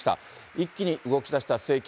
一気に動き出した政局。